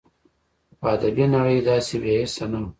خو ادبي نړۍ داسې بې حسه نه وه